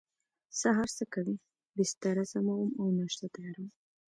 سهار څه کوئ؟ بستره سموم او ناشته تیاروم